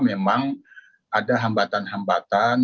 memang ada hambatan hambatan